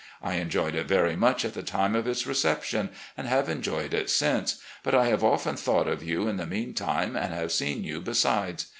I enjoyed it very much at the time of its reception, and have enjoyed it since, but I have often thought of you in the meantime, and have seen you besides.